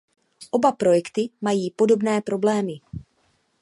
Oba projekty mají podobné problémy.